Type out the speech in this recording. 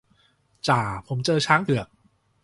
จ่า ผมเจอช้างเผือก